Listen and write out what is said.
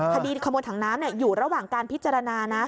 คดีขโมยถังน้ำอยู่ระหว่างการพิจารณานะ